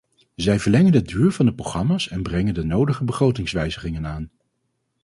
Zij verlengen de duur van de programma's en brengen de nodige begrotingswijzigingen aan.